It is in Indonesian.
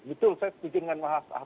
itu saya pikirkan